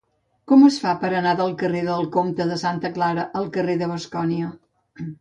Com es fa per anar del carrer del Comte de Santa Clara al carrer de Bascònia?